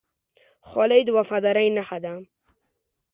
خولۍ د وفادارۍ نښه ده.